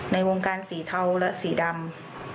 ในวงการสีเทาและสีดำ